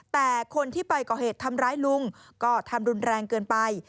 แต่คนที่ไปก่อเหตุทำร้ายลุงก็ทำรุนแรงเกินไป